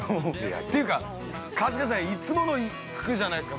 というか、春日さん、いつもの服じゃないですか。